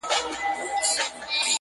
دلته هم د رڼاګانو خوشبویې ده